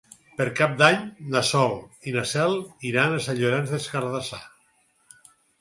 Per Cap d'Any na Sol i na Cel iran a Sant Llorenç des Cardassar.